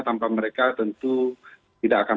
tanpa mereka tentu tidak akan